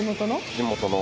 地元の。